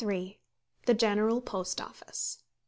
THE GENERAL POST OFFICE.